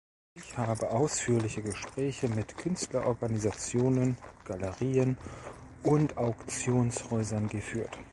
Ich habe ausführliche Gespräche mit Künstlerorganisationen, Galerien und Auktionshäusern geführt.